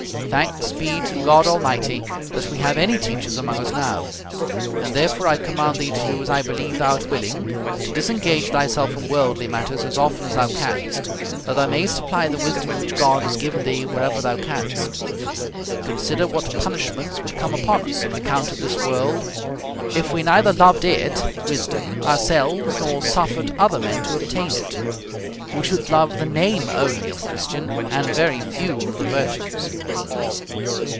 Thanks be to God Almighty that we have any teachers among us now. And therefore I command thee to do as I believe thou art willing, to disengage thyself from worldly matters as often as thou canst, that thou mayst apply the wisdom which God has given thee wherever thou canst. Consider what punishments would come upon us on account of this world if we neither loved it (wisdom) ourselves nor suffered other men to obtain it: we should love the name only of Christian, and very few of the virtues.